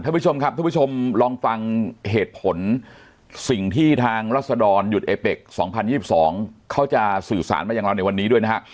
ท่านผู้ชมครับท่านผู้ชมลองฟังเหตุผลสิ่งที่ทางรัศดรหยุดเอเป็ก๒๐๒๒เขาจะสื่อสารมาอย่างเราในวันนี้ด้วยนะฮะ